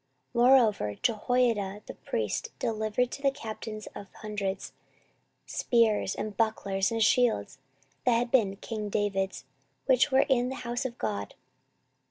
14:023:009 Moreover Jehoiada the priest delivered to the captains of hundreds spears, and bucklers, and shields, that had been king David's, which were in the house of God.